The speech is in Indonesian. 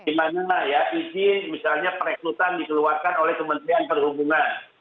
dimana ya izin misalnya perekrutan dikeluarkan oleh kementerian perhubungan